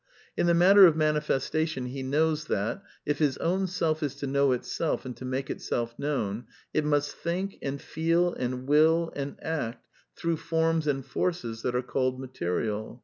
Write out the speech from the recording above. In the matter of manifestation he knows that, if his ^own self is to know itself and to make itself known, it / must think and feel and will and act through forms and ! forces that are called material.